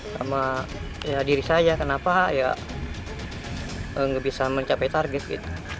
sama diri saya kenapa ya nggak bisa mencapai target gitu